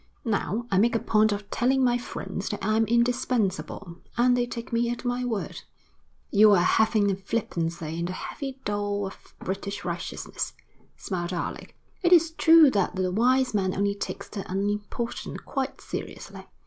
Now, I make a point of telling my friends that I'm indispensable, and they take me at my word.' 'You are a leaven of flippancy in the heavy dough of British righteousness,' smiled Alec. 'It is true that the wise man only takes the unimportant quite seriously.'